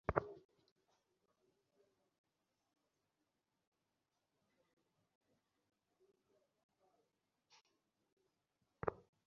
Joseph থেকে Mary, Mary থেকে মোহন।